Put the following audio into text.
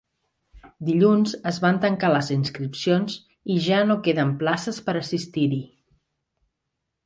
Dilluns es van tancar les inscripcions i ja no queden places per assistir-hi.